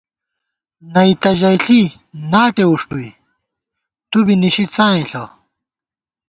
نئی تہ ژئیݪی ناٹے وُݭٹُوئی، تُو بی نِشِی څائیں ݪہ